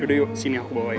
udah yuk sini aku bawain